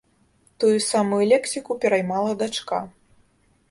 Тую самую лексіку пераймала дачка.